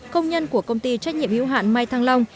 công nhân của công ty trách nhiệm hữu hạn mai thăng long